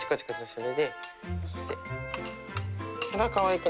それで。